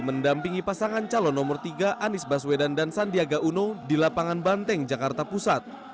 mendampingi pasangan calon nomor tiga anies baswedan dan sandiaga uno di lapangan banteng jakarta pusat